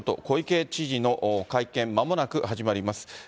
小池知事の会見、まもなく始まります。